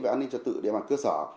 an ninh trật tự địa bàn cơ sở